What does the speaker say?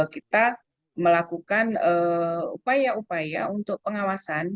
kita melakukan upaya upaya untuk pengawasan